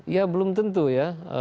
ya belum tentu ya